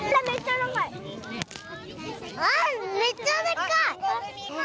めっちゃでかい。